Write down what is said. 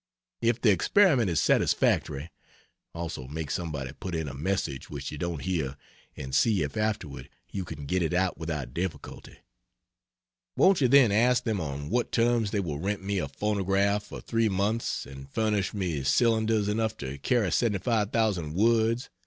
If the experiment is satisfactory (also make somebody put in a message which you don't hear, and see if afterward you can get it out without difficulty) won't you then ask them on what terms they will rent me a phonograph for 3 months and furnish me cylinders enough to carry 75,000 words.